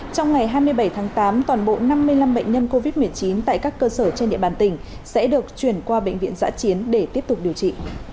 trong ngày hai mươi bảy tháng tám toàn bộ năm mươi năm bệnh nhân covid một mươi chín tại các cơ sở trên địa bàn tỉnh sẽ được chuyển qua bệnh viện giã chiến để tiếp tục điều trị